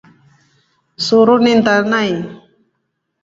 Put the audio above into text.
Suru ni ntaa nai.